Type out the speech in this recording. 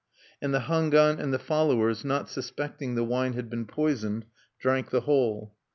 And the Hangwan and his followers, not suspecting the wine had been poisoned, drank the whole.